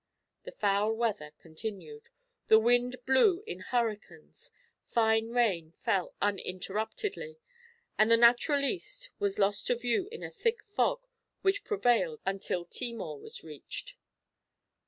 The foul weather continued, the wind blew in hurricanes, fine rain fell uninterruptedly, and the Naturaliste was lost to view in a thick fog which prevailed until Timor was reached.